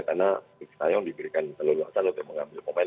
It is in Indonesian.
karena coach sinteyong diberikan peluang untuk mengambil pemain